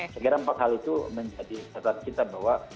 sekitar empat hal itu menjadi tetap kita bahwa